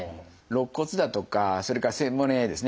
肋骨だとかそれから背骨ですね。